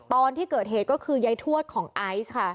ตอนที่เกิดเหตุก็คือยายทวดของไอซ์ค่ะ